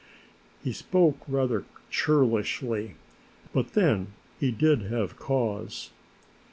He spoke rather churlishly, but then he did have cause.